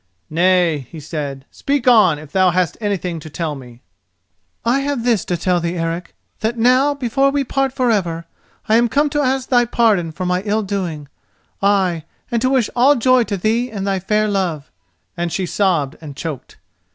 "Nay," he said, "speak on, if thou hast anything to tell me." "I have this to tell thee, Eric; that now, before we part for ever, I am come to ask thy pardon for my ill doing—ay, and to wish all joy to thee and thy fair love," and she sobbed and choked.